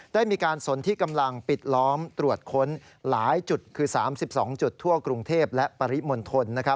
ได้มีการสนที่กำลังปิดล้อมตรวจค้นหลายจุดคือ๓๒จุดทั่วกรุงเทพและปริมณฑล